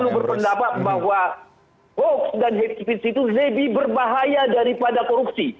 saya berpendapat bahwa hoax dan hate speech itu lebih berbahaya daripada korupsi